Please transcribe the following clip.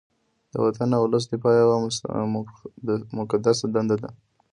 د وطن او ولس دفاع یوه مقدسه دنده ده